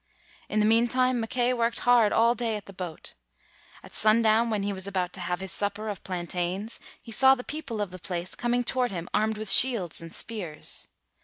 In the meantime, Mackay worked hard all day at the boat. At sundown when he was about to have his supper of plantains, he saw the people of the place coming toward him armed with shields and spears.